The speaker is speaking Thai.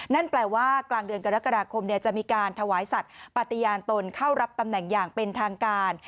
นั่นแปลว่ากลางเดือนกรกฎาคมจะมีการถวายสัตว์ปฏิญาณตนเข้ารับตำแหน่งอย่างเป็นทางการ